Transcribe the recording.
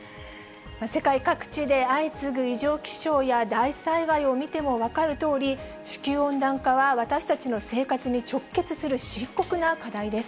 世界各地で相次ぐ異常気象や大災害を見ても分かるとおり、地球温暖化は、私たちの生活に直結する深刻な課題です。